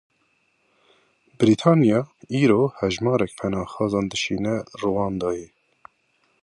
Brîtanya îro hejmarek penaxwazan dişîne Rwandayê.